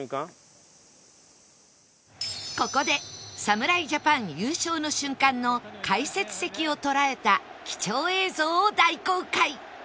ここで侍ジャパン優勝の瞬間の解説席を捉えた貴重映像を大公開！